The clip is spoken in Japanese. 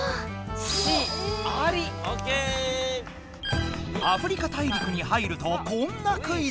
アフリカ大陸に入るとこんなクイズ。